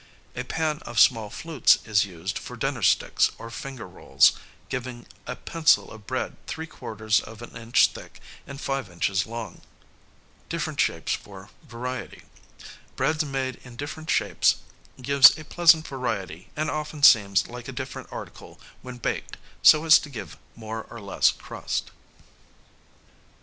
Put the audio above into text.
A pan of small flutes is used for dinner sticks or finger rolls, giving a pencil of bread three quarters of an inch thick and five inches long. Bread made in different shapes gives a pleasant variety and often seems like a different article when baked so as to give more or less crust.